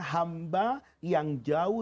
hamba yang jauh